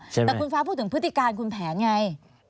แต่คุณฟ้าพูดถึงพฤติการคุณแผนไง